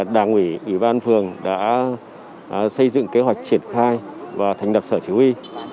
đảng ủy ủy ban phường đã xây dựng kế hoạch triển khai và thành đập sở chỉ huy